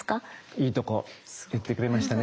いいとこ言ってくれましたね。